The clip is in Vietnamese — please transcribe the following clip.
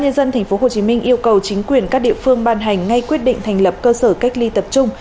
ubnd tp hcm yêu cầu chính quyền các địa phương ban hành ngay quyết định thành lập cơ sở cách ly tập trung